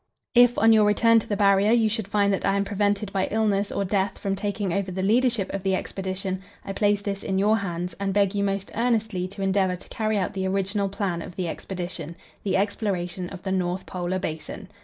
"If on your return to the Barrier you should find that I am prevented by illness or death from taking over the leadership of the Expedition, I place this in your hands, and beg you most earnestly to endeavour to carry out the original plan of the Expedition the exploration of the North Polar basin.